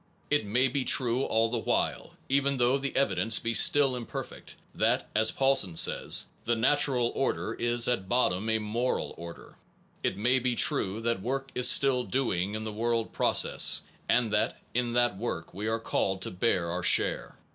It may be true all the while (even though the evidence be still imperfect) that, as Paulsen says, the natural order is at bottom a moral order. It may be true that work is still doing in the world process, and that in that work we are called to bear our share.